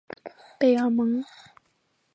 贝尔蒙。